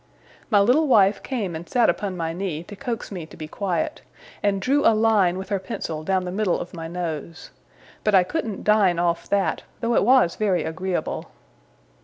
My little wife came and sat upon my knee, to coax me to be quiet, and drew a line with her pencil down the middle of my nose; but I couldn't dine off that, though it was very agreeable.